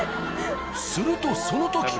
するとその時。